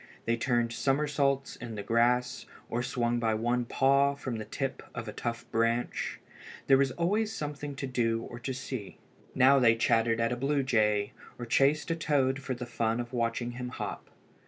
They turned summersaults in the grass, or swung by one paw from the tip of a tough branch. There was always something to do or to see. Now they chattered at a blue jay, or chased a toad for the fun of watching him hop.